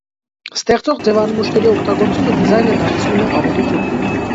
Ստեղծող ձևանմուշների օգտագործումը դիզայնը դարձնում է ավելի ճկուն։